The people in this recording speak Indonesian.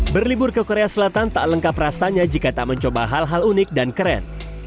berlibur ke korea selatan tak lengkap rasanya jika tak mencoba hal hal unik dan keren